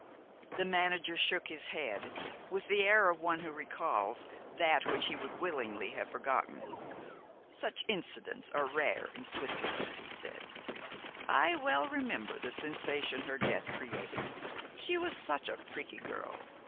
The manager shook his head, with the air of one who recalls that which he would willingly have forgotten. "Such incidents are rare in Switzerland," he said. "I well remember the sensation her death created. She was such a pretty girl.